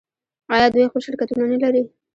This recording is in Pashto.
آیا دوی خپل شرکتونه نلري؟